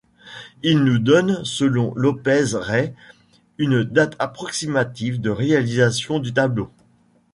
Il nous donne selon López-Rey une date approximative de réalisation du tableau.